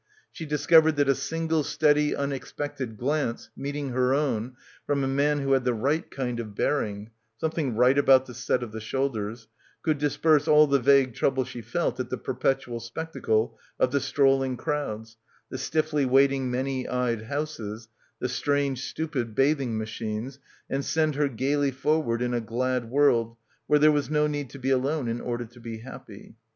... She discovered that a single steady unexpected glance, meeting her own, from a man who had the right kind of bearing — something right about the set of the shoulders — could disperse all the vague trouble she felt at the perpetual spectacle of the strolling crowds, the stiffly waiting many eyed houses, the strange stupid bathing machines, and send her gaily forward in a glad world where there was no need to be alone in order to be happy.